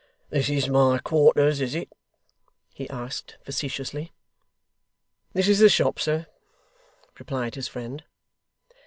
'This is my quarters, is it?' he asked facetiously. 'This is the shop, sir,' replied his friend.